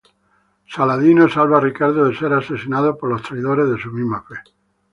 Saladino salva a Ricardo de ser asesinado por los traidores de su misma fe.